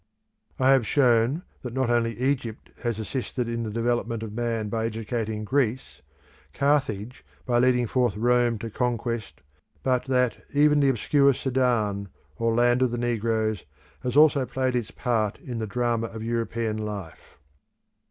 I have shown that not only Egypt has assisted the development of man by educating Greece, Carthage by leading forth Rome to conquest, but that even the obscure Sudan, or land of the negroes, has also played its part in the drama of European life.